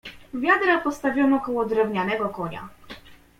"Wiadra postawiono koło drewnianego konia."